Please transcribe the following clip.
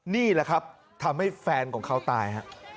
นี่แหละครับทำให้แฟนของเขาตายฮะ